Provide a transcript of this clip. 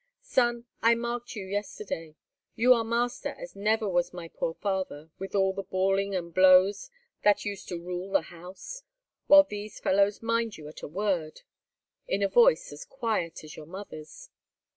Son, I marked you yesterday. You are master as never was my poor father, with all the bawling and blows that used to rule the house, while these fellows mind you at a word, in a voice as quiet as your mother's.